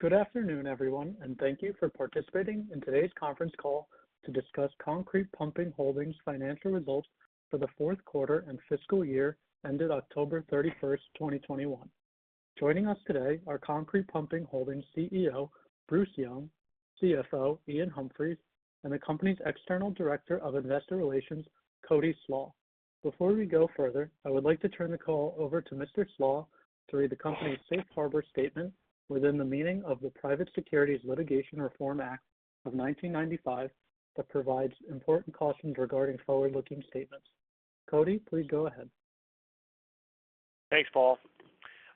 Good afternoon, everyone, and thank you for participating in today's conference call to discuss Concrete Pumping Holdings financial results for the fourth quarter and fiscal year ended 31st October, 2021. Joining us today are Concrete Pumping Holdings CEO Bruce Young, CFO Iain Humphries, and the company's External Director of Investor Relations, Cody Slach. Before we go further, I would like to turn the call over to Mr. Slach to read the company's Safe Harbor statement within the meaning of the Private Securities Litigation Reform Act of 1995, that provides important cautions regarding forward-looking statements. Cody, please go ahead. Thanks, Paul.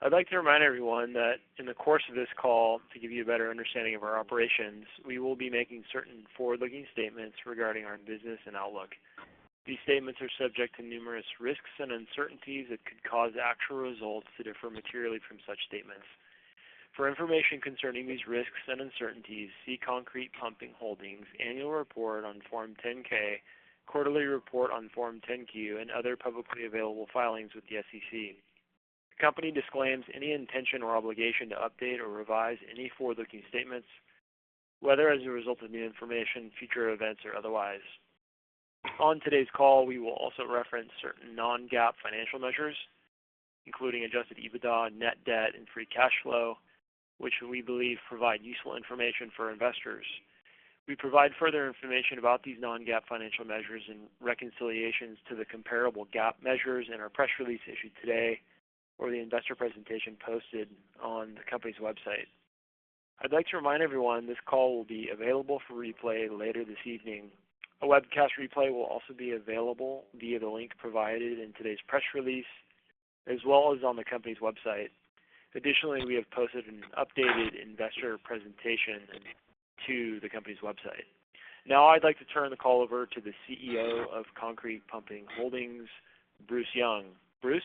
I'd like to remind everyone that in the course of this call, to give you a better understanding of our operations, we will be making certain forward-looking statements regarding our business and outlook. These statements are subject to numerous risks and uncertainties that could cause actual results to differ materially from such statements. For information concerning these risks and uncertainties, see Concrete Pumping Holdings annual report on Form 10-K, quarterly report on Form 10-Q, and other publicly available filings with the SEC. The company disclaims any intention or obligation to update or revise any forward-looking statements, whether as a result of new information, future events, or otherwise. On today's call, we will also reference certain non-GAAP financial measures, including adjusted EBITDA, net debt, and free cash flow, which we believe provide useful information for investors. We provide further information about these non-GAAP financial measures and reconciliations to the comparable GAAP measures in our press release issued today or the investor presentation posted on the company's website. I'd like to remind everyone this call will be available for replay later this evening. A webcast replay will also be available via the link provided in today's press release, as well as on the company's website. Additionally, we have posted an updated investor presentation to the company's website. Now I'd like to turn the call over to the CEO of Concrete Pumping Holdings, Bruce Young. Bruce?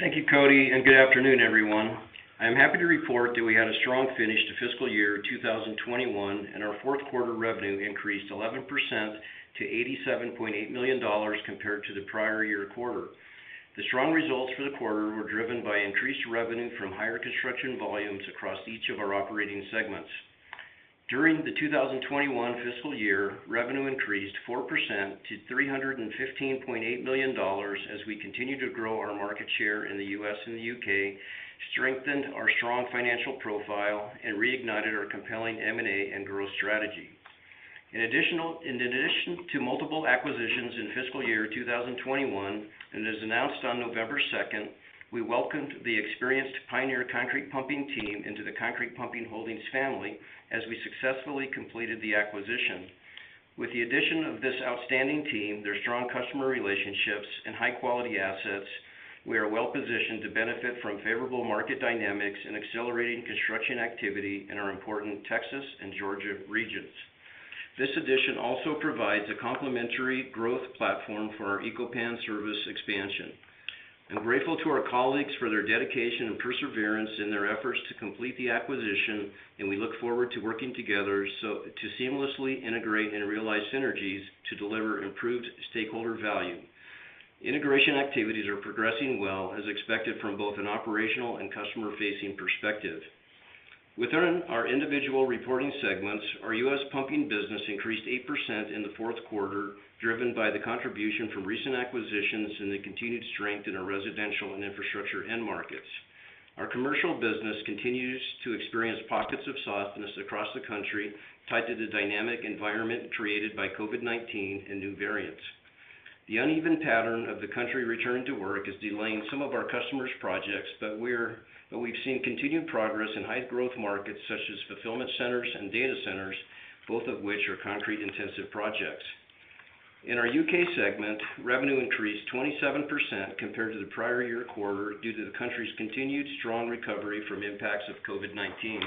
Thank you, Cody, and good afternoon, everyone. I'm happy to report that we had a strong finish to fiscal year 2021, and our fourth quarter revenue increased 11% to $87.8 million compared to the prior year quarter. The strong results for the quarter were driven by increased revenue from higher construction volumes across each of our operating segments. During the 2021 fiscal year, revenue increased 4% to $315.8 million as we continued to grow our market share in the U.S. and the U.K., strengthened our strong financial profile, and reignited our compelling M&A and growth strategy. In addition to multiple acquisitions in fiscal year 2021, and as announced on 2nd November, we welcomed the experienced Pioneer Concrete Pumping team into the Concrete Pumping Holdings family as we successfully completed the acquisition. With the addition of this outstanding team, their strong customer relationships, and high-quality assets, we are well positioned to benefit from favorable market dynamics and accelerating construction activity in our important Texas and Georgia regions. This addition also provides a complementary growth platform for our Eco-Pan service expansion. I'm grateful to our colleagues for their dedication and perseverance in their efforts to complete the acquisition, and we look forward to working together so to seamlessly integrate and realize synergies to deliver improved stakeholder value. Integration activities are progressing well as expected from both an operational and customer-facing perspective. Within our individual reporting segments, our U.S. pumping business increased 8% in the fourth quarter, driven by the contribution from recent acquisitions and the continued strength in our residential and infrastructure end markets. Our commercial business continues to experience pockets of softness across the country, tied to the dynamic environment created by COVID-19 and new variants. The uneven pattern of the country return to work is delaying some of our customers' projects, but we've seen continued progress in high-growth markets such as fulfillment centers and data centers, both of which are concrete-intensive projects. In our U.K. segment, revenue increased 27% compared to the prior year quarter due to the country's continued strong recovery from impacts of COVID-19.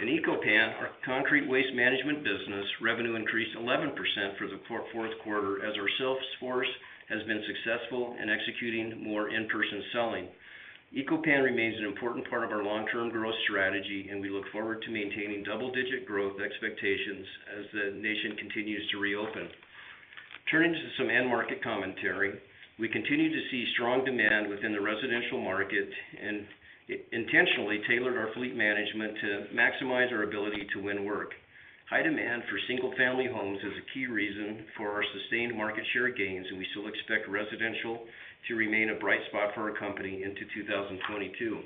In Eco-Pan, our concrete waste management business, revenue increased 11% for the fourth quarter as our sales force has been successful in executing more in-person selling. Eco-Pan remains an important part of our long-term growth strategy, and we look forward to maintaining double-digit growth expectations as the nation continues to reopen. Turning to some end market commentary. We continue to see strong demand within the residential market and intentionally tailored our fleet management to maximize our ability to win work. High demand for single-family homes is a key reason for our sustained market share gains, and we still expect residential to remain a bright spot for our company into 2022.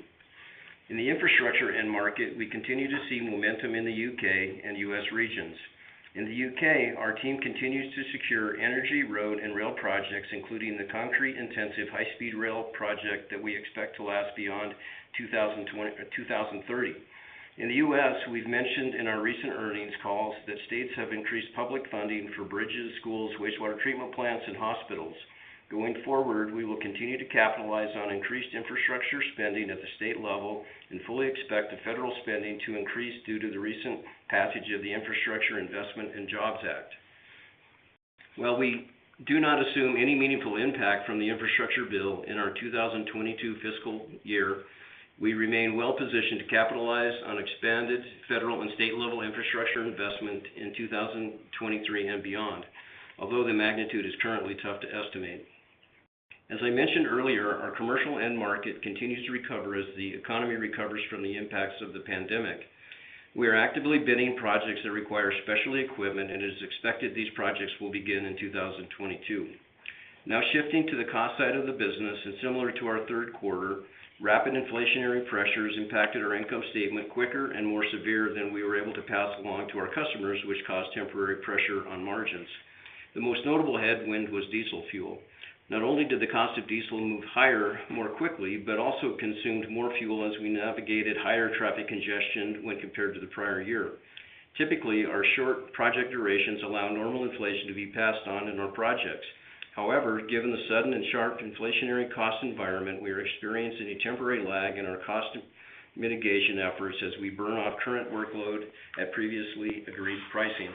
In the infrastructure end market, we continue to see momentum in the U.K. and U.S. regions. In the U.K., our team continues to secure energy, road, and rail projects, including the concrete-intensive high-speed rail project that we expect to last beyond 2030. In the U.S., we've mentioned in our recent earnings calls that states have increased public funding for bridges, schools, wastewater treatment plants, and hospitals. Going forward, we will continue to capitalize on increased infrastructure spending at the state level and fully expect the federal spending to increase due to the recent passage of the Infrastructure Investment and Jobs Act. While we do not assume any meaningful impact from the infrastructure bill in our 2022 fiscal year, we remain well positioned to capitalize. Federal and state level infrastructure investment in 2023 and beyond, although the magnitude is currently tough to estimate. As I mentioned earlier, our commercial end market continues to recover as the economy recovers from the impacts of the pandemic. We are actively bidding projects that require specialty equipment, and it is expected these projects will begin in 2022. Now shifting to the cost side of the business. Similar to our third quarter, rapid inflationary pressures impacted our income statement quicker and more severe than we were able to pass along to our customers, which caused temporary pressure on margins. The most notable headwind was diesel fuel. Not only did the cost of diesel move higher more quickly, but we also consumed more fuel as we navigated higher traffic congestion when compared to the prior year. Typically, our short project durations allow normal inflation to be passed on in our projects. However, given the sudden and sharp inflationary cost environment, we are experiencing a temporary lag in our cost mitigation efforts as we burn off current workload at previously agreed pricing.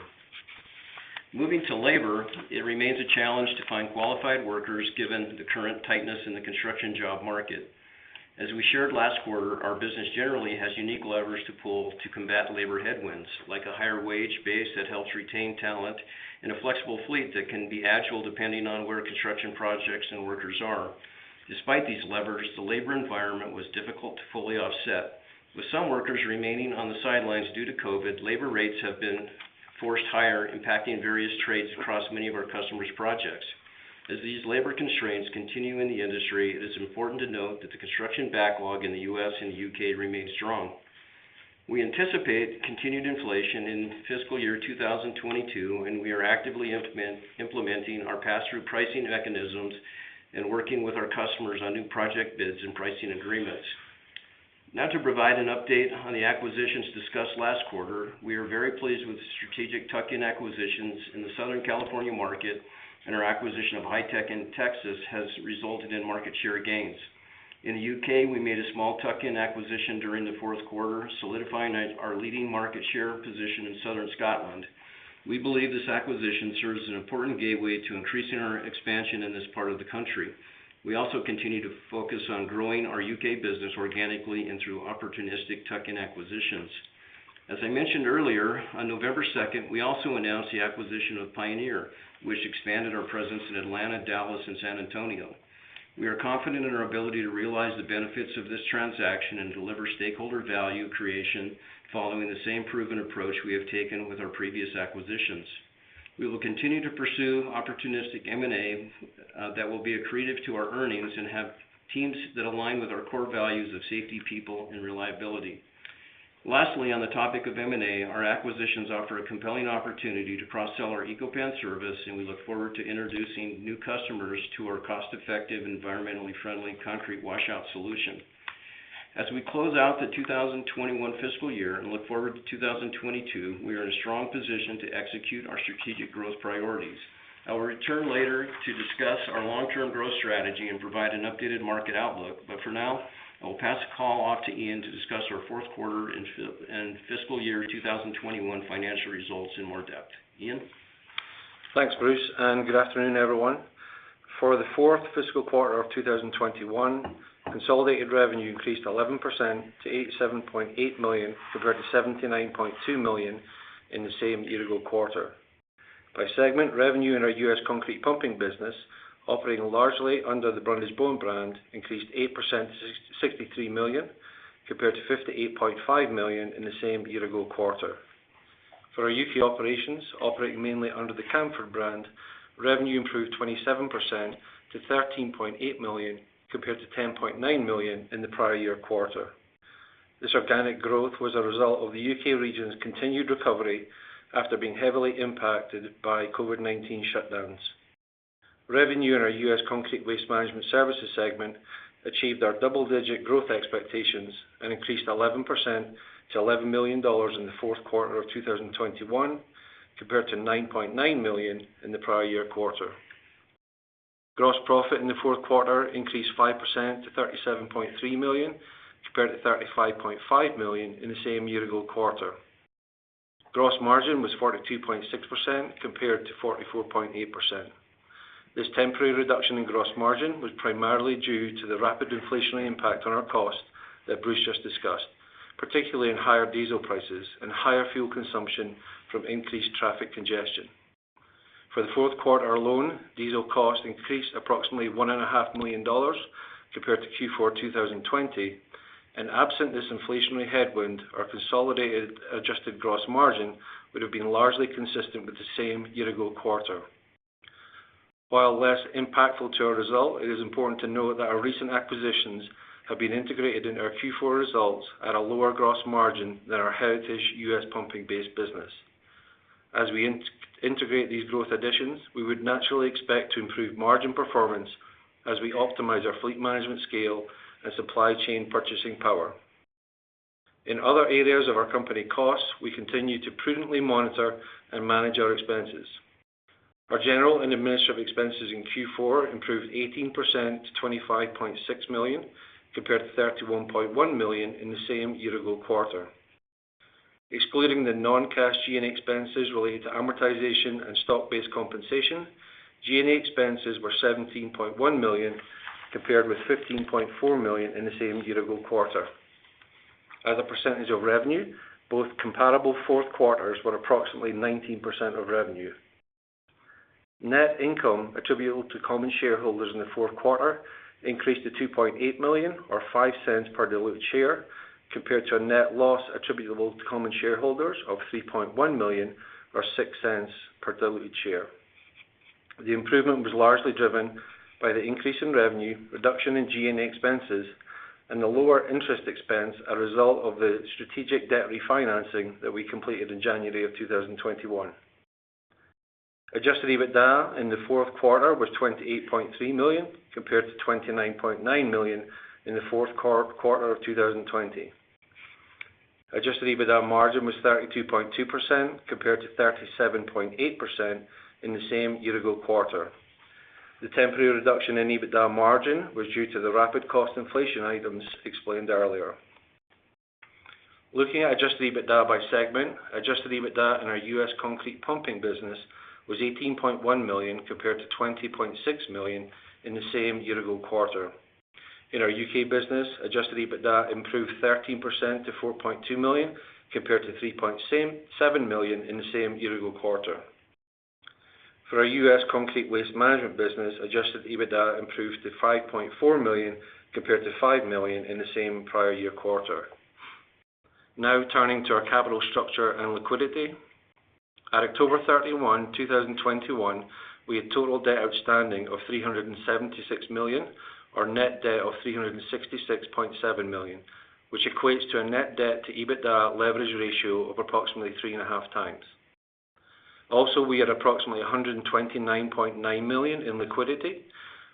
Moving to labor, it remains a challenge to find qualified workers given the current tightness in the construction job market. As we shared last quarter, our business generally has unique levers to pull to combat labor headwinds, like a higher wage base that helps retain talent and a flexible fleet that can be agile depending on where construction projects and workers are. Despite these levers, the labor environment was difficult to fully offset. With some workers remaining on the sidelines due to COVID, labor rates have been forced higher, impacting various trades across many of our customers' projects. As these labor constraints continue in the industry, it is important to note that the construction backlog in the U.S. and the U.K. remains strong. We anticipate continued inflation in fiscal year 2022, and we are actively implementing our pass-through pricing mechanisms and working with our customers on new project bids and pricing agreements. Now to provide an update on the acquisitions discussed last quarter, we are very pleased with the strategic tuck-in acquisitions in the Southern California market, and our acquisition of Hi-Tech in Texas has resulted in market share gains. In the U.K., we made a small tuck-in acquisition during the fourth quarter, solidifying our leading market share position in southern Scotland. We believe this acquisition serves as an important gateway to increasing our expansion in this part of the country. We also continue to focus on growing our U.K. business organically and through opportunistic tuck-in acquisitions. As I mentioned earlier, on 2nd November, we also announced the acquisition of Pioneer, which expanded our presence in Atlanta, Dallas, and San Antonio. We are confident in our ability to realize the benefits of this transaction and deliver stakeholder value creation following the same proven approach we have taken with our previous acquisitions. We will continue to pursue opportunistic M&A that will be accretive to our earnings and have teams that align with our core values of safety, people, and reliability. Lastly, on the topic of M&A, our acquisitions offer a compelling opportunity to cross-sell our Eco-Pan service, and we look forward to introducing new customers to our cost-effective, environmentally friendly concrete washout solution. As we close out the 2021 fiscal year and look forward to 2022, we are in a strong position to execute our strategic growth priorities. I will return later to discuss our long-term growth strategy and provide an updated market outlook, but for now, I will pass the call off to Iain to discuss our fourth quarter and fiscal year 2021 financial results in more depth. Iain? Thanks, Bruce, and good afternoon, everyone. For the fourth fiscal quarter of 2021, consolidated revenue increased 11% to $87.8 million compared to $79.2 million in the same year-ago quarter. By segment, revenue in our U.S. concrete pumping business, operating largely under the Brundage-Bone brand, increased 8% to $63 million, compared to $58.5 million in the same year-ago quarter. For our U.K. operations, operating mainly under the Camfaud brand, revenue improved 27% to 13.8 million, compared to 10.9 million in the prior year quarter. This organic growth was a result of the U.K. region's continued recovery after being heavily impacted by COVID-19 shutdowns. Revenue in our U.S. Concrete Waste Management Services segment achieved our double-digit growth expectations and increased 11% to $11 million in the fourth quarter of 2021, compared to $9.9 million in the prior year quarter. Gross profit in the fourth quarter increased 5% to $37.3 million, compared to $35.5 million in the same year-ago quarter. Gross margin was 42.6% compared to 44.8%. This temporary reduction in gross margin was primarily due to the rapid inflationary impact on our cost that Bruce just discussed, particularly in higher diesel prices and higher fuel consumption from increased traffic congestion. For the fourth quarter alone, diesel costs increased approximately one and a half million dollars compared to Q4 2020, and absent this inflationary headwind, our consolidated adjusted gross margin would have been largely consistent with the same year-ago quarter. While less impactful to our result, it is important to note that our recent acquisitions have been integrated into our Q4 results at a lower gross margin than our heritage U.S. pumping-based business. As we integrate these growth additions, we would naturally expect to improve margin performance as we optimize our fleet management scale and supply chain purchasing power. In other areas of our company costs, we continue to prudently monitor and manage our expenses. Our general and administrative expenses in Q4 improved 18% to $25.6 million, compared to $31.1 million in the same year-ago quarter. Excluding the non-cash G&A expenses related to amortization and stock-based compensation, G&A expenses were $17.1 million. Compared with $15.4 million in the same year-ago quarter. As a percentage of revenue, both comparable fourth quarters were approximately 19% of revenue. Net income attributable to common shareholders in the fourth quarter increased to $2.8 million or $0.05 per diluted share, compared to a net loss attributable to common shareholders of $3.1 million or $0.06 per diluted share. The improvement was largely driven by the increase in revenue, reduction in G&A expenses, and the lower interest expense as a result of the strategic debt refinancing that we completed in January 2021. Adjusted EBITDA in the fourth quarter was $28.3 million, compared to $29.9 million in the fourth quarter of 2020. Adjusted EBITDA margin was 32.2% compared to 37.8% in the same year-ago quarter. The temporary reduction in EBITDA margin was due to the rapid cost inflation items explained earlier. Looking at adjusted EBITDA by segment, adjusted EBITDA in our U.S. concrete pumping business was $18.1 million compared to $20.6 million in the same year-ago quarter. In our U.K. business, adjusted EBITDA improved 13% to $4.2 million compared to $3.7 million in the same year-ago quarter. For our U.S. concrete waste management business, adjusted EBITDA improved to $5.4 million compared to $5 million in the same prior year quarter. Now turning to our capital structure and liquidity. At 31st October, 2021, we had total debt outstanding of $376 million or net debt of $366.7 million, which equates to a net debt to EBITDA leverage ratio of approximately 3.5x. Also, we had approximately $129.9 million in liquidity,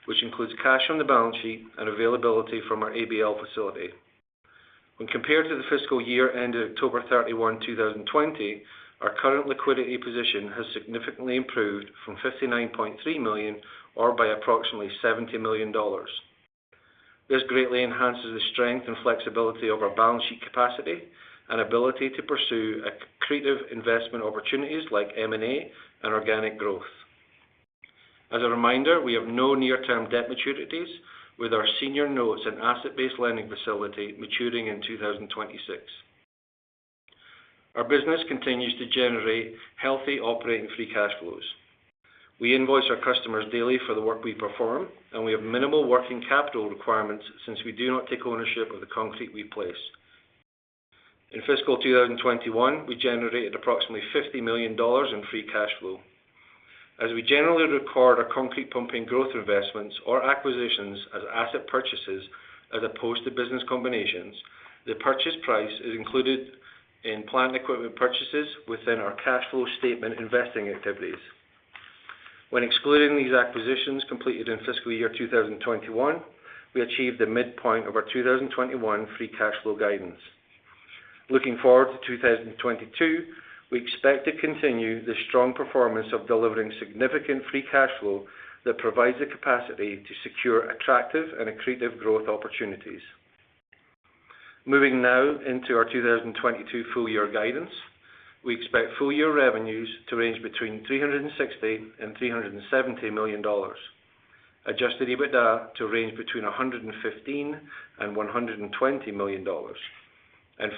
which includes cash on the balance sheet and availability from our ABL facility. When compared to the fiscal year end of 31st October, 2020, our current liquidity position has significantly improved from $59.3 million or by approximately $70 million. This greatly enhances the strength and flexibility of our balance sheet capacity and ability to pursue accretive investment opportunities like M&A and organic growth. As a reminder, we have no near-term debt maturities with our senior notes and asset-based lending facility maturing in 2026. Our business continues to generate healthy operating free cash flows. We invoice our customers daily for the work we perform, and we have minimal working capital requirements since we do not take ownership of the concrete we place. In fiscal 2021, we generated approximately $50 million in free cash flow. As we generally record our concrete pumping growth investments or acquisitions as asset purchases as opposed to business combinations, the purchase price is included in plant equipment purchases within our cash flow statement investing activities. When excluding these acquisitions completed in fiscal year 2021, we achieved the midpoint of our 2021 free cash flow guidance. Looking forward to 2022, we expect to continue the strong performance of delivering significant free cash flow that provides the capacity to secure attractive and accretive growth opportunities. Moving now into our 2022 full year guidance. We expect full year revenues to range between $360 million-$370 million. Adjusted EBITDA to range between $115 million-$120 million.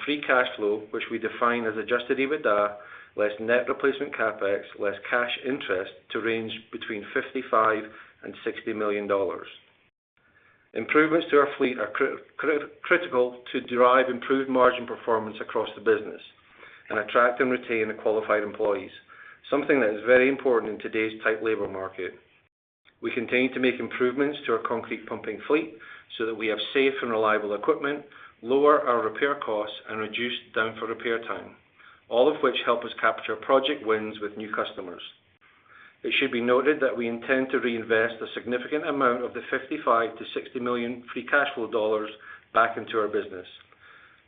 Free cash flow, which we define as adjusted EBITDA, less net replacement CapEx, less cash interest to range between $55 million-$60 million. Improvements to our fleet are critical to derive improved margin performance across the business and attract and retain qualified employees, something that is very important in today's tight labor market. We continue to make improvements to our concrete pumping fleet so that we have safe and reliable equipment, lower our repair costs, and reduce down for repair time, all of which help us capture project wins with new customers. It should be noted that we intend to reinvest a significant amount of the $55 million-$60 million free cash flow back into our business.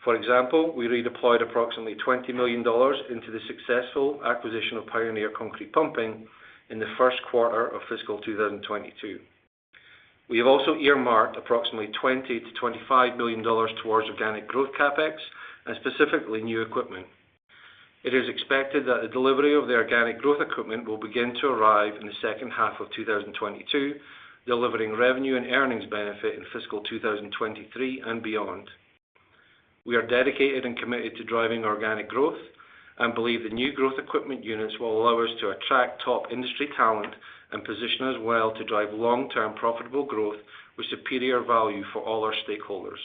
For example, we redeployed approximately $20 million into the successful acquisition of Pioneer Concrete Pumping in the first quarter of fiscal 2022. We have also earmarked approximately $20 million-$25 million towards organic growth CapEx and specifically new equipment. It is expected that the delivery of the organic growth equipment will begin to arrive in the second half of 2022, delivering revenue and earnings benefit in fiscal 2023 and beyond. We are dedicated and committed to driving organic growth and believe the new growth equipment units will allow us to attract top industry talent and position us well to drive long-term profitable growth with superior value for all our stakeholders.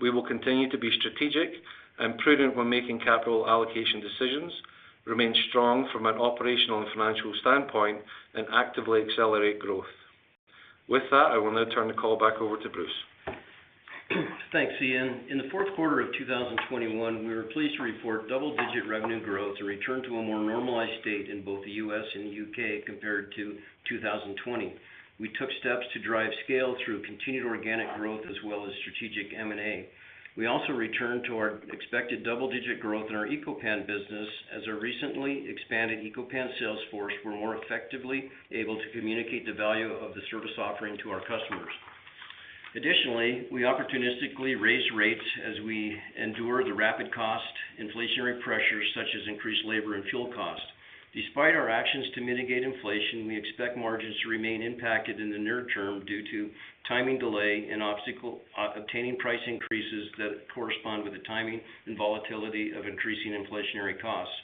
We will continue to be strategic and prudent when making capital allocation decisions, remain strong from an operational and financial standpoint, and actively accelerate growth. With that, I will now turn the call back over to Bruce. Thanks, Iain. In the fourth quarter of 2021, we were pleased to report double-digit revenue growth to return to a more normalized state in both the U.S. and U.K. compared to 2020. We took steps to drive scale through continued organic growth as well as strategic M&A. We also returned to our expected double-digit growth in our Eco-Pan business as our recently expanded Eco-Pan sales force were more effectively able to communicate the value of the service offering to our customers. Additionally, we opportunistically raised rates as we endured the rapid cost inflationary pressures such as increased labor and fuel costs. Despite our actions to mitigate inflation, we expect margins to remain impacted in the near term due to timing delays and obstacles obtaining price increases that correspond with the timing and volatility of increasing inflationary costs.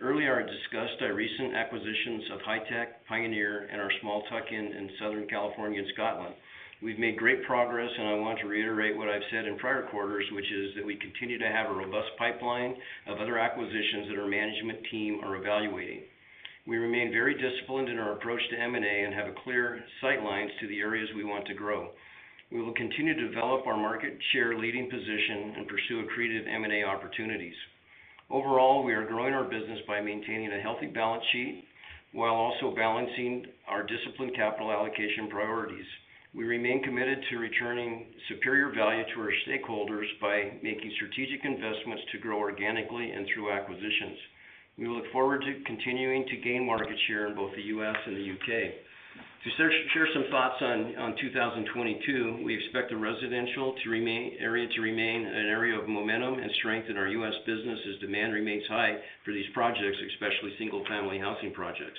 Earlier, I discussed our recent acquisitions of Hi-Tech, Pioneer, and our small tuck-in in Southern California and Scotland. We've made great progress, and I want to reiterate what I've said in prior quarters, which is that we continue to have a robust pipeline of other acquisitions that our management team are evaluating. We remain very disciplined in our approach to M&A and have a clear sightlines to the areas we want to grow. We will continue to develop our market share leading position and pursue accretive M&A opportunities. Overall, we are growing our business by maintaining a healthy balance sheet while also balancing our disciplined capital allocation priorities. We remain committed to returning superior value to our stakeholders by making strategic investments to grow organically and through acquisitions. We look forward to continuing to gain market share in both the U.S. and the U.K. To share some thoughts on 2022, we expect the residential area to remain an area of momentum and strength in our U.S. business as demand remains high for these projects, especially single-family housing projects.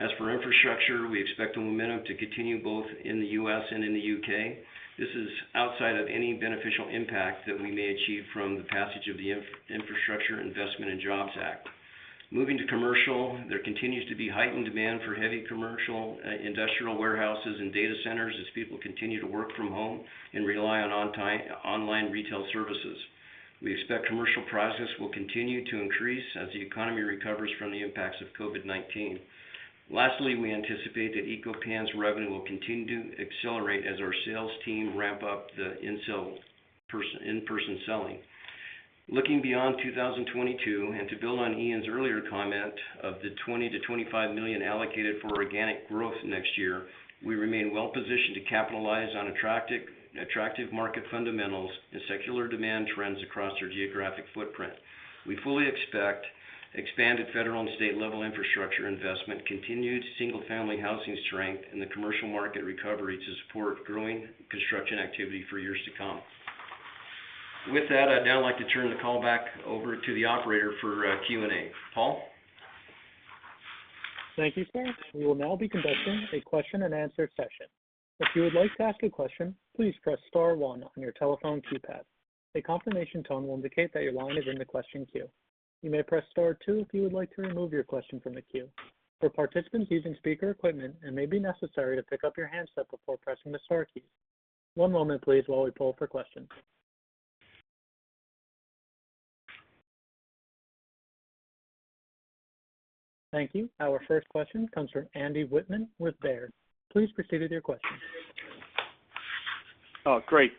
As for infrastructure, we expect the momentum to continue both in the U.S. and in the U.K. This is outside of any beneficial impact that we may achieve from the passage of the Infrastructure Investment and Jobs Act. Moving to commercial, there continues to be heightened demand for heavy commercial industrial warehouses and data centers as people continue to work from home and rely on online retail services. We expect commercial prices will continue to increase as the economy recovers from the impacts of COVID-19. Lastly, we anticipate that Eco-Pan's revenue will continue to accelerate as our sales team ramp up the in-person selling. Looking beyond 2022, to build on Iain's earlier comment of the $20-$25 million allocated for organic growth next year, we remain well positioned to capitalize on attractive market fundamentals and secular demand trends across our geographic footprint. We fully expect expanded federal and state-level infrastructure investment, continued single-family housing strength in the commercial market recovery to support growing construction activity for years to come. With that, I'd now like to turn the call back over to the operator for Q&A. Paul? Thank you, sir. We will now be conducting a question-and-answer session. If you would like to ask a question, please press star one on your telephone keypad. A confirmation tone will indicate that your line is in the question queue. You may press star two if you would like to remove your question from the queue. For participants using speaker equipment, it may be necessary to pick up your handset before pressing the star key. One moment please while we poll for questions. Thank you. Our first question comes from Andy Wittmann with Baird. Please proceed with your question. Oh, great.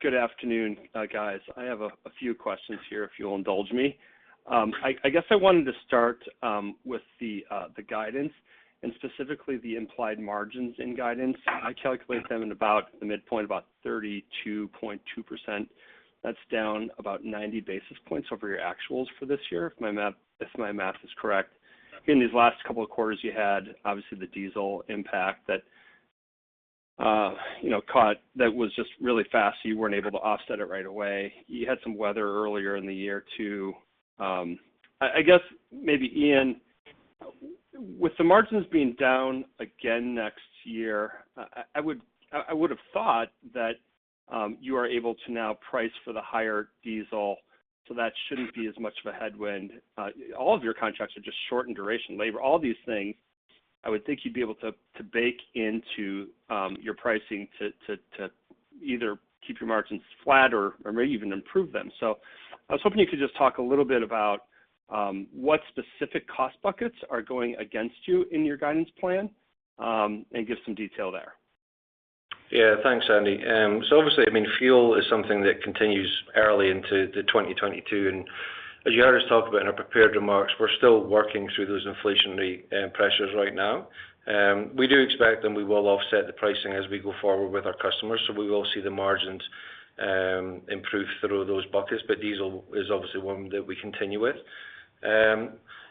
Good afternoon, guys. I have a few questions here, if you'll indulge me. I guess I wanted to start with the guidance and specifically the implied margins in guidance. I calculate them in about the midpoint, about 32.2%. That's down about 90 basis points over your actuals for this year if my math is correct. In these last couple of quarters you had, obviously, the diesel impact that you know caught. That was just really fast, so you weren't able to offset it right away. You had some weather earlier in the year, too. I guess maybe, Iain, with the margins being down again next year, I would have thought that you are able to now price for the higher diesel, so that shouldn't be as much of a headwind. All of your contracts are just short in duration, labor, all these things I would think you'd be able to bake into your pricing to either keep your margins flat or maybe even improve them. I was hoping you could just talk a little bit about what specific cost buckets are going against you in your guidance plan and give some detail there. Yeah. Thanks, Andy. Obviously, I mean, fuel is something that continues early into 2022. As you heard us talk about in our prepared remarks, we're still working through those inflationary pressures right now. We do expect that we will offset the pricing as we go forward with our customers, so we will see the margins improve through those buckets. Diesel is obviously one that we continue with.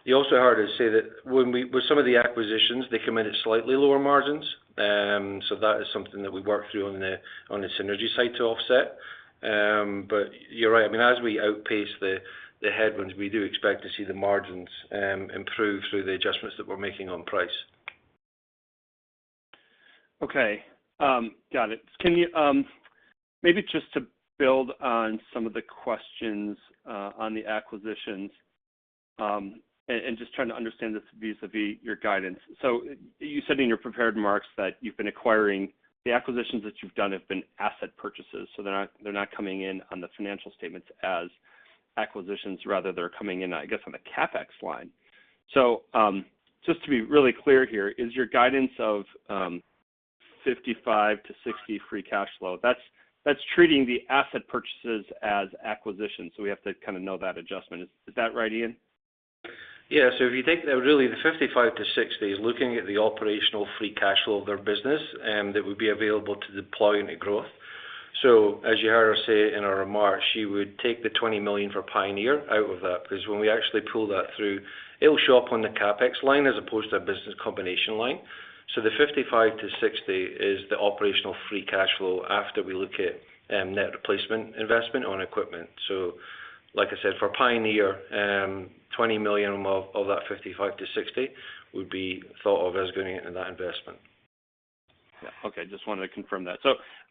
You also heard us say that with some of the acquisitions, they come in at slightly lower margins. That is something that we work through on the synergy side to offset. You're right. I mean, as we outpace the headwinds, we do expect to see the margins improve through the adjustments that we're making on price. Okay. Got it. Can you maybe just to build on some of the questions on the acquisitions and just trying to understand this vis-à-vis your guidance. You said in your prepared remarks that you've been acquiring the acquisitions that you've done have been asset purchases, so they're not coming in on the financial statements as acquisitions. Rather, they're coming in, I guess, on the CapEx line. Just to be really clear here, is your guidance of 55-60 free cash flow treating the asset purchases as acquisitions, so we have to kind of know that adjustment. Is that right, Iain? Yeah. If you take the, really, the $55-$60 looking at the operational free cash flow of their business, that would be available to deploy any growth. As you heard us say in our remarks, you would take the $20 million for Pioneer out of that, because when we actually pull that through, it'll show up on the CapEx line as opposed to a business combination line. The 55-60 is the operational free cash flow after we look at net replacement investment on equipment. Like I said, for Pioneer, $20 million of that 55-60 would be thought of as going into that investment. Yeah. Okay. Just wanted to confirm that.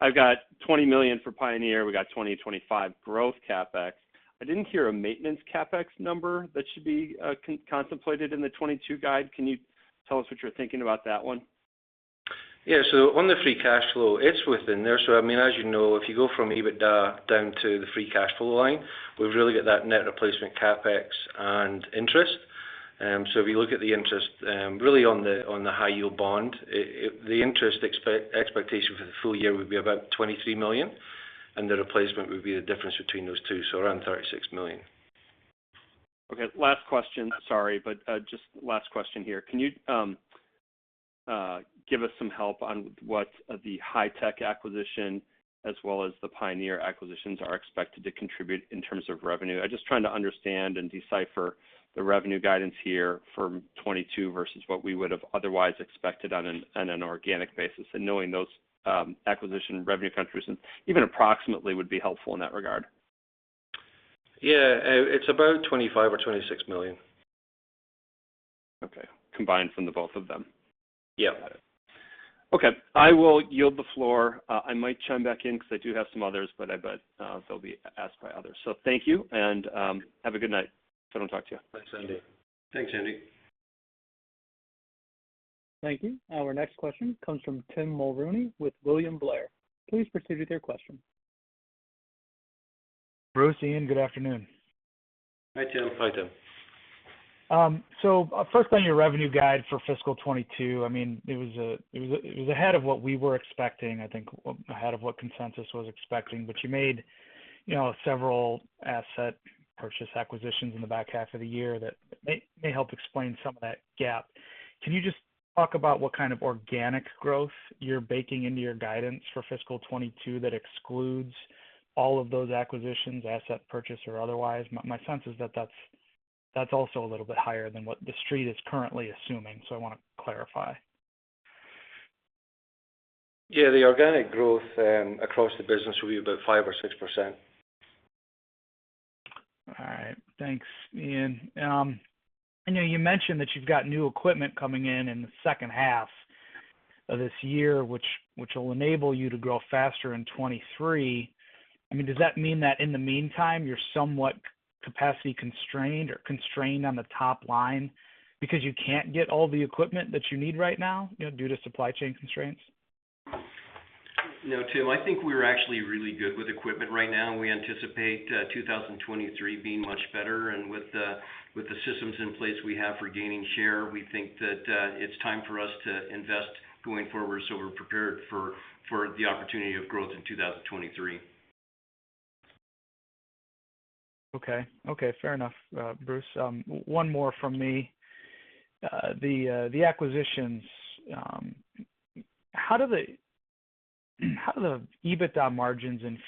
I've got $20 million for Pioneer. We got 20-25 growth CapEx. I didn't hear a maintenance CapEx number that should be contemplated in the 2022 guide. Can you tell us what you're thinking about that one? Yeah. On the free cash flow, it's within there. I mean, as you know, if you go from EBITDA down to the free cash flow line, we've really got that net replacement CapEx and interest. If you look at the interest, really on the high-yield bond, the interest expectation for the full year would be about $23 million, and the replacement would be the difference between those two, so around $36 million. Okay. Last question. Sorry, but just last question here. Can you give us some help on what the Hi-Tech acquisition as well as the Pioneer acquisitions are expected to contribute in terms of revenue? I'm just trying to understand and decipher the revenue guidance here for 2022 versus what we would have otherwise expected on an organic basis. Knowing those acquisition revenue contributions even approximately would be helpful in that regard. Yeah. It's about $25 million or $26 million. Okay. Combined from the both of them. Yeah. Got it. Okay. I will yield the floor. I might chime back in 'cause I do have some others, but I bet, they'll be asked by others. Thank you, and have a good night. I'll talk to you. Thanks, Andy. Thanks, Andy. Thank you. Our next question comes from Tim Mulrooney with William Blair. Please proceed with your question. Bruce, Iain, good afternoon. Hi, Tim. How you doing? First on your revenue guide for fiscal 2022, I mean, it was ahead of what we were expecting, I think ahead of what consensus was expecting. You made, you know, several asset purchase acquisitions in the back half of the year that may help explain some of that gap. Can you just talk about what kind of organic growth you're baking into your guidance for fiscal 2022 that excludes all of those acquisitions, asset purchase or otherwise? My sense is that that's also a little bit higher than what The Street is currently assuming, so I wanna clarify. Yeah. The organic growth across the business will be about 5%-6%. All right. Thanks, Iain. I know you mentioned that you've got new equipment coming in in the second half of this year, which will enable you to grow faster in 2023. I mean, does that mean that in the meantime, you're somewhat capacity constrained or constrained on the top line because you can't get all the equipment that you need right now, you know, due to supply chain constraints? No, Tim. I think we're actually really good with equipment right now, and we anticipate 2023 being much better. With the systems in place we have for gaining share, we think that it's time for us to invest going forward so we're prepared for the opportunity of growth in 2023. Okay. Okay, fair enough, Bruce. One more from me. The acquisitions, how do the EBITDA margins and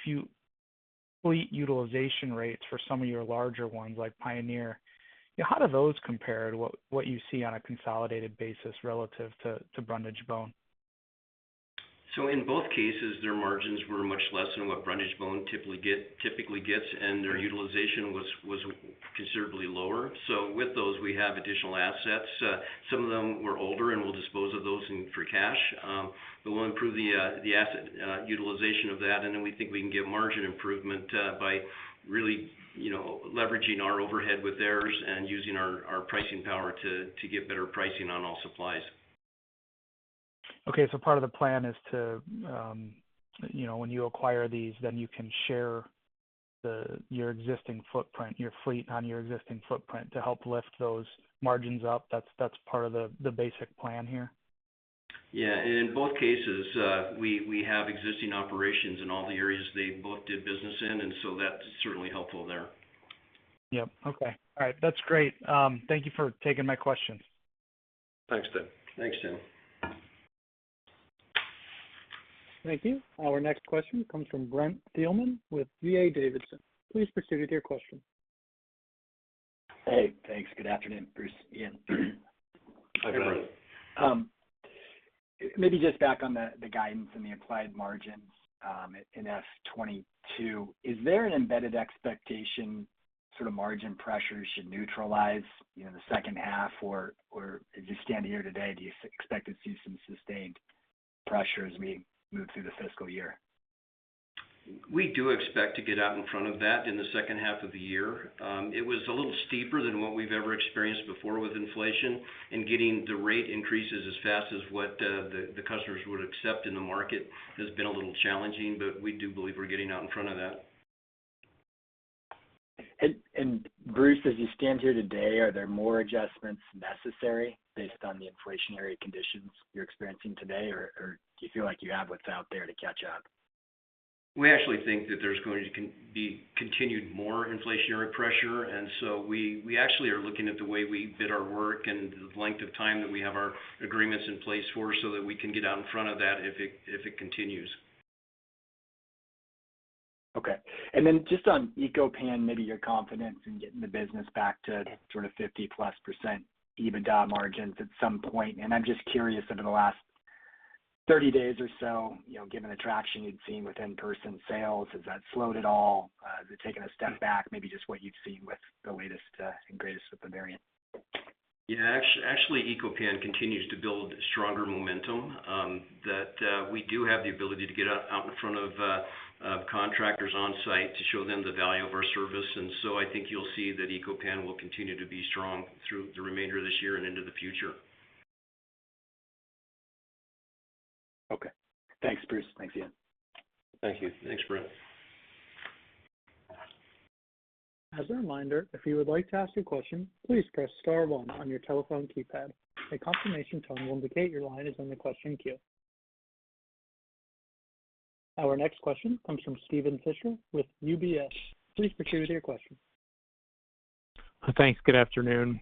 fleet utilization rates for some of your larger ones, like Pioneer, you know, how do those compare to what you see on a consolidated basis relative to Brundage-Bone? In both cases, their margins were much less than what Brundage-Bone typically gets, and their utilization was considerably lower. With those, we have additional assets. Some of them were older, and we'll dispose of those for cash. But we'll improve the asset utilization of that. Then we think we can get margin improvement by really, you know, leveraging our overhead with theirs and using our pricing power to get better pricing on all supplies. Okay. Part of the plan is to, you know, when you acquire these, then you can share the, your existing footprint, your fleet on your existing footprint to help lift those margins up. That's part of the basic plan here? Yeah. In both cases, we have existing operations in all the areas they both did business in, and so that's certainly helpful there. Yep. Okay. All right. That's great. Thank you for taking my questions. Thanks, Tim. Thanks, Tim. Thank you. Our next question comes from Brent Thielman with D.A. Davidson. Please proceed with your question. Hey. Thanks. Good afternoon, Bruce, Iain. Hi, Brent. Maybe just back on the guidance and the implied margins in FY2022. Is there an embedded expectation sort of margin pressures should neutralize, you know, in the second half or as you stand here today, do you expect to see some sustained pressure as we move through the fiscal year? We do expect to get out in front of that in the second half of the year. It was a little steeper than what we've ever experienced before with inflation and getting the rate increases as fast as what the customers would accept in the market has been a little challenging, but we do believe we're getting out in front of that. Bruce, as you stand here today, are there more adjustments necessary based on the inflationary conditions you're experiencing today, or do you feel like you have what's out there to catch up? We actually think that there's going to be continued more inflationary pressure. We actually are looking at the way we bid our work and the length of time that we have our agreements in place for so that we can get out in front of that if it continues. Just on Eco-Pan, maybe your confidence in getting the business back to sort of 50%+ EBITDA margins at some point. I'm just curious, over the last 30 days or so, you know, given the traction you'd seen with in-person sales, has that slowed at all? Has it taken a step back? Maybe just what you've seen with the latest and greatest with the variant. Yeah. Actually, Eco-Pan continues to build stronger momentum, that we do have the ability to get out in front of contractors on site to show them the value of our service. I think you'll see that Eco-Pan will continue to be strong through the remainder of this year and into the future. Okay. Thanks, Bruce. Thanks, Iain. Thank you. Thanks, Bruce. As a reminder, if you would like to ask a question, please press star one on your telephone keypad. A confirmation tone will indicate your line is in the question queue. Our next question comes from Steven Fisher with UBS. Please proceed with your question. Thanks. Good afternoon.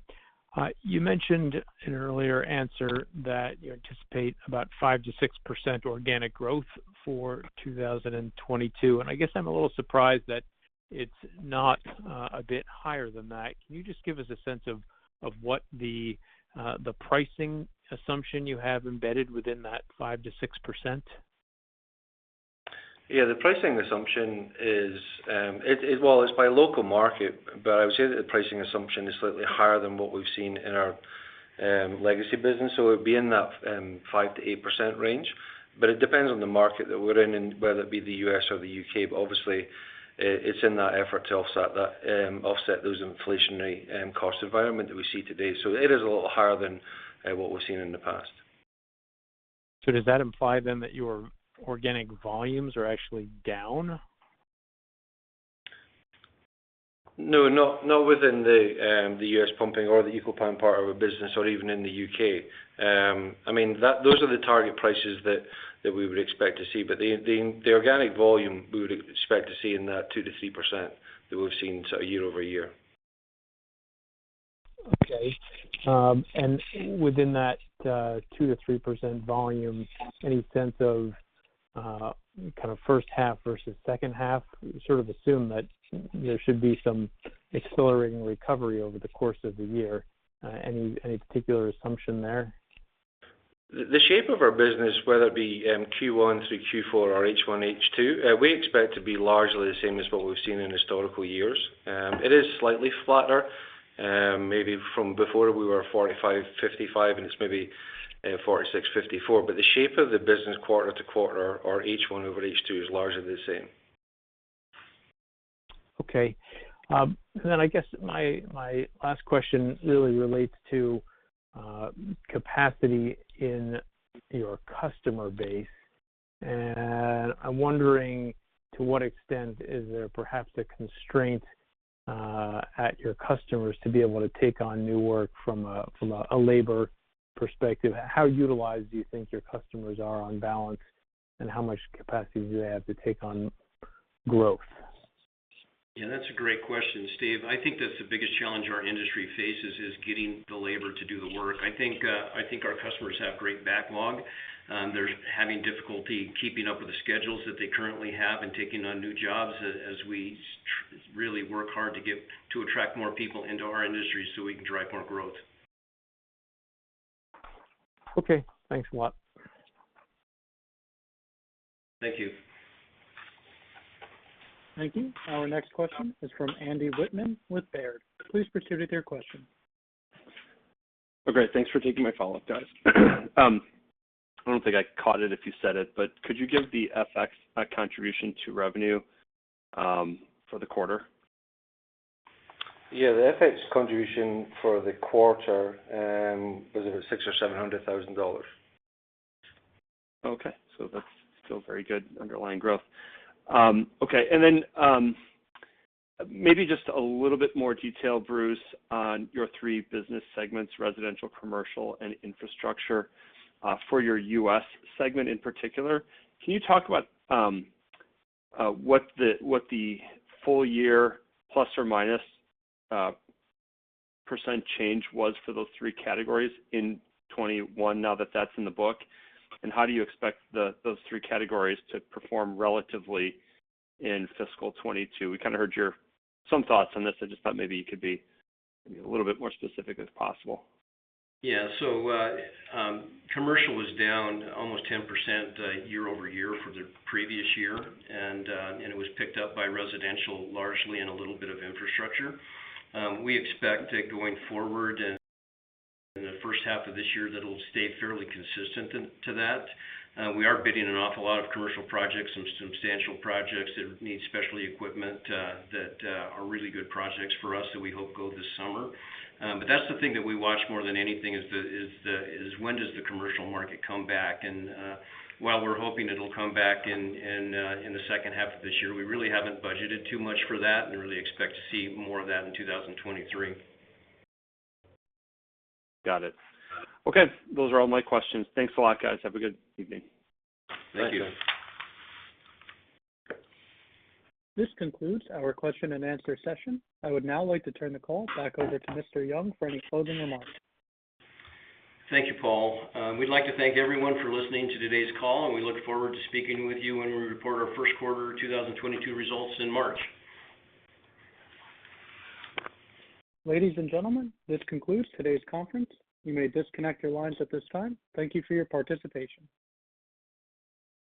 You mentioned in an earlier answer that you anticipate about 5%-6% organic growth for 2022, and I guess I'm a little surprised that it's not a bit higher than that. Can you just give us a sense of what the pricing assumption you have embedded within that 5%-6%? Yeah, the pricing assumption is. Well, it's by local market, but I would say that the pricing assumption is slightly higher than what we've seen in our legacy business. It'd be in that 5%-8% range. It depends on the market that we're in and whether it be the U.S. or the U.K. Obviously, it's in that effort to offset those inflationary cost environment that we see today. It is a little higher than what we've seen in the past. Does that imply then that your organic volumes are actually down? No, not within the U.S. pumping or the Eco-Pan part of our business or even in the U.K. I mean, those are the target prices that we would expect to see. The organic volume we would expect to see in that 2%-3% that we've seen sort of year-over-year. Okay. Within that, 2%-3% volume, any sense of kind of first half versus second half? We sort of assume that there should be some accelerating recovery over the course of the year. Any particular assumption there? The shape of our business, whether it be Q1 through Q4 or H1, H2, we expect to be largely the same as what we've seen in historical years. It is slightly flatter. Maybe from before we were 45-55, and it's maybe 46-54. The shape of the business quarter to quarter or H1 over H2 is largely the same. Okay. Then I guess my last question really relates to capacity in your customer base. I'm wondering to what extent is there perhaps a constraint at your customers to be able to take on new work from a labor perspective? How utilized do you think your customers are on balance, and how much capacity do they have to take on growth? Yeah, that's a great question, Steve. I think that's the biggest challenge our industry faces is getting the labor to do the work. I think our customers have great backlog. They're having difficulty keeping up with the schedules that they currently have and taking on new jobs as we really work hard to attract more people into our industry so we can drive more growth. Okay. Thanks a lot. Thank you. Thank you. Our next question is from Andy Wittmann with Baird. Please proceed with your question. Okay. Thanks for taking my follow-up, guys. I don't think I caught it if you said it, but could you give the FX contribution to revenue for the quarter? Yeah. The FX contribution for the quarter was either $600,000 or $700,000. Okay. That's still very good underlying growth. Maybe just a little bit more detail, Bruce, on your three business segments, residential, commercial, and infrastructure, for your U.S. segment in particular. Can you talk about what the full year ±% change was for those three categories in 2021 now that that's in the book? How do you expect those three categories to perform relatively in fiscal 2022? We kind of heard your some thoughts on this. I just thought you could be a little bit more specific as possible. Yeah, commercial was down almost 10% year-over-year for the previous year. It was picked up by residential largely and a little bit of infrastructure. We expect that going forward in the first half of this year that it'll stay fairly consistent to that. We are bidding an awful lot of commercial projects, some substantial projects that need specialty equipment that are really good projects for us that we hope go this summer. That's the thing that we watch more than anything is when does the commercial market come back? While we're hoping it'll come back in the second half of this year, we really haven't budgeted too much for that and really expect to see more of that in 2023. Got it. Okay. Those are all my questions. Thanks a lot, guys. Have a good evening. Thank you. Thanks. This concludes our question-and-answer session. I would now like to turn the call back over to Mr. Young for any closing remarks. Thank you, Paul. We'd like to thank everyone for listening to today's call, and we look forward to speaking with you when we report our first quarter 2022 results in March. Ladies and gentlemen, this concludes today's conference. You may disconnect your lines at this time. Thank you for your participation.